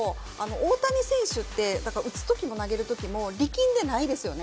大谷選手って投げるときも打つときも力んでないですよね。